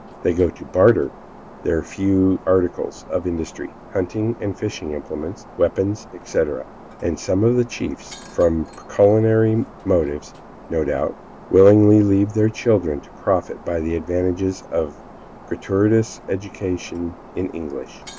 They go to barter their few articles of industry, hunting and fishing implements, weapons, etc., and some of the chiefs, from pecuniary motives, no doubt, willingly leave their children to profit by the advantages of a gratuitous education in English.